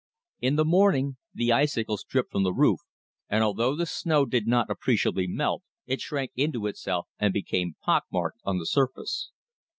In the morning the icicles dripped from the roof, and although the snow did not appreciably melt, it shrank into itself and became pock marked on the surface.